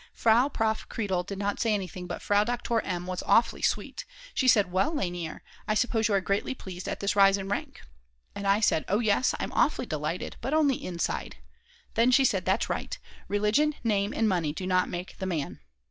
Frau Prof. Kreidl did not say anything, but Frau Doktor M. was awfully sweet. She said: "Well, Lainer, I suppose you are greatly pleased at this rise in rank?" And I said: "Oh yes, I'm awfully delighted, but only inside," then she said: That's right; "Religion, name, and money do not make the man."